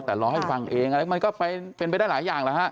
แต่รอให้ฟังเองอะไรมันก็เป็นไปได้หลายอย่างแล้วฮะ